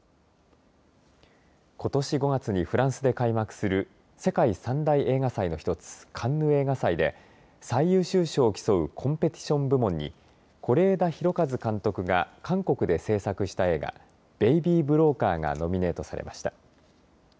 ことし５月にフランスで開幕する世界３大映画祭の１つカンヌ映画祭で最優秀賞を競うコンペティション部門に是枝裕和監督が韓国で製作した映画ベイビー・ブローカーがノミネートされました。